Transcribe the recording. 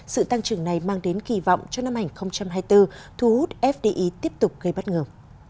sự tăng trưởng này mang đến kỳ vọng cho năm hai nghìn hai mươi bốn thu hút fdi tiếp tục gây bất ngờ